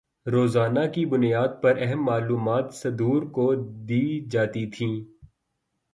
روزانہ کی بنیاد پر اہم معلومات صدور کو دی جاتی تھیں